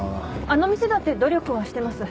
あの店だって努力はしてます。